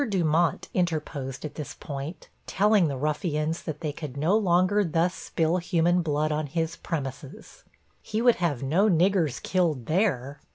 Dumont interposed at this point, telling the ruffians they could no longer thus spill human blood on his premises he would have 'no niggers killed there.'